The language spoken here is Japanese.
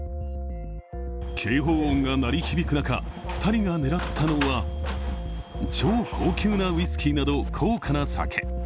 警報音が鳴り響く中２人が狙ったのは、超高級なウイスキーなど高価な酒。